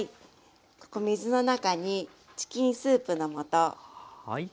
ここ水の中にチキンスープの素。